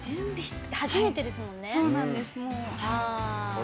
初めてですもんね。